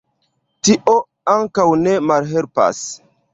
Tio ankaŭ ne malhelpas.